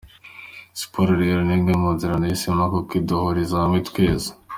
Siporo rero ni imwe mu nzira nahisemo kuko iduhuriza hamwe twese.